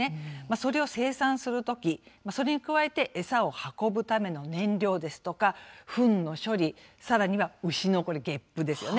それを生産するときそれに加えて餌を運ぶための燃料ですとかふんの処理、さらには牛のげっぷですよね。